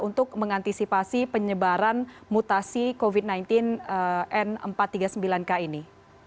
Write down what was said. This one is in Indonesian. untuk mengantisipasi penyebaran mutasi covid sembilan belas n empat ratus tiga puluh sembilan k ini